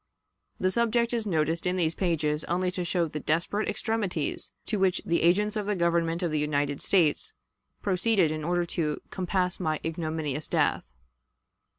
The subject is noticed in these pages only to show the desperate extremities to which the agents of the Government of the United States proceeded in order to compass my ignominious death.